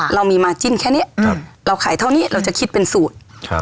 เรามีมาจิ้นแค่นี้เราขายเท่านี้เราจะคิดเป็นสูตรครับ